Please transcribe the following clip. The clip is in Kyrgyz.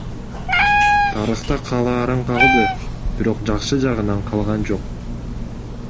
Тарыхта калаарын калды, бирок жакшы жагынан калган жок.